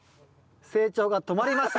成長が止まりました。